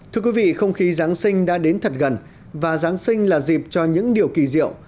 thưa quý vị không khí giáng sinh đã đến thật gần và giáng sinh là dịp cho những điều kỳ diệu